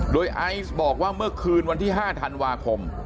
โดยไอซ์บอกว่าเมื่อคืนวันที่๕ธันวาคม